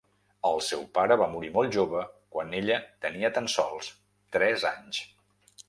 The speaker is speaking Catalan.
El seu pare va morir molt jove quan ella tenia tan sols tres anys.